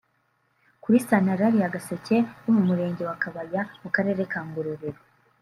Kuri Santarari ya Gaseke yo mu Murenge wa Kabaya mu Karere ka Ngororero